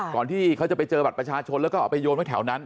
ก่อนที่เขาจะไปเจอบัตรประชาชนแล้วก็เอาไปโยนไว้แถวนั้น